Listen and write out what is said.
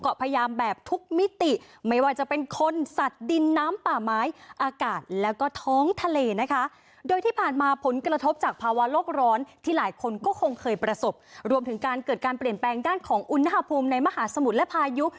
ก็คงเคยประสบรวมถึงการเกิดการเปลี่ยนแปลงด้านของอุณหภูมิในมหาสมุดและพายุ